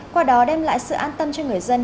qua đó đem lại sự an tâm cho người dân